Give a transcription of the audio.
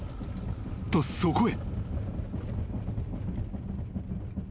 ［とそこへ］